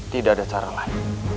tidak ada cara lain